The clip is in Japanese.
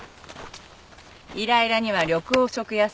イライラには緑黄色野菜。